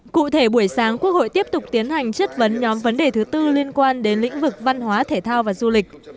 cụ thể buổi sáng quốc hội tiếp tục tiến hành chất vấn nhóm vấn đề thứ tư liên quan đến lĩnh vực văn hóa thể thao và du lịch